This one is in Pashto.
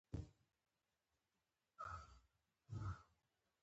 او ځان یې تسلیم کړ.